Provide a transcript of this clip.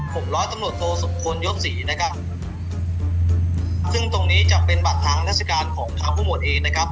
ร้อยตำรวจโทสมควรยศศรีนะครับซึ่งตรงนี้จะเป็นบัตรทางราชการของทางผู้หมวดเองนะครับ